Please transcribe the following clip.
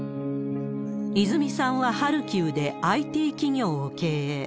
いづみさんは、ハルキウでＩＴ企業を経営。